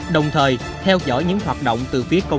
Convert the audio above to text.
đồng thời theo dõi những hoạt động từcôngty dình chương